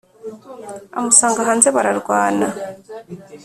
amusanga hanze bararwana